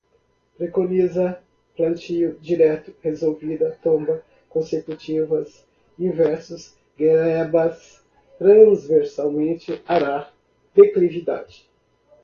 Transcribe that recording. preconiza, plantio direto, revolvida, tomba, consecutivas, inversos, glebas, transversalmente, arar, declividade